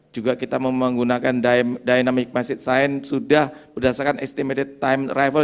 juga kita menggunakan dynamic message sign sudah berdasarkan estimated time arrival